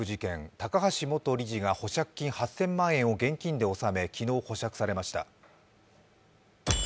高橋元理事が保釈金８０００万円を現金で納め昨日保釈されました。